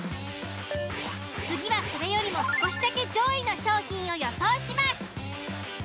次はそれよりも少しだけ上位の商品を予想します。